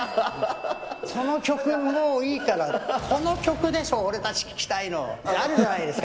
その曲もういいから、この曲でしょ、俺たち、聴きたいのってあるじゃないですか。